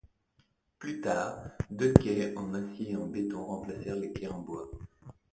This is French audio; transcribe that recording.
Plus tard, deux quais en acier et en béton remplacèrent les quais en bois.